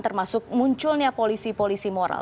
termasuk munculnya polisi polisi moral